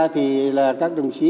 thì là các đồng chí